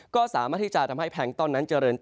ก็สามารถที่จะทำให้แพงต้นนั้นเจริญ